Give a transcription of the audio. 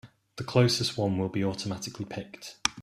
The closest one will be automatically picked.